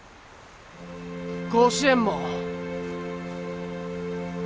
甲子園も。